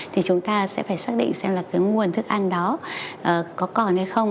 thì chúng ta sẽ phải xác định xem là cái nguồn thức ăn đó có còn hay không